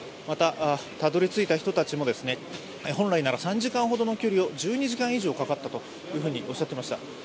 また、たどりついた人たちも本来なら３時間ほどの距離を１２時間以上かかったとおっしゃっていました。